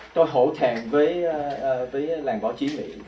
tôi hỗn hợp với làng báo chí mỹ